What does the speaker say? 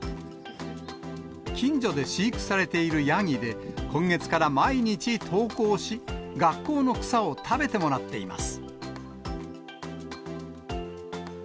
近所で飼育されているヤギで、今月から毎日登校し、学校の草を食べてもらっています。